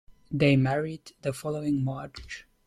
They married the following March.